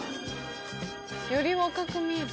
より若く見える。